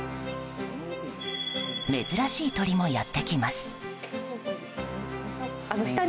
珍しい鳥もやってきます。